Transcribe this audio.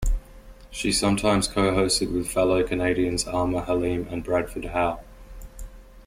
She sometimes co-hosted with fellow Canadians Aamer Haleem and Bradford How.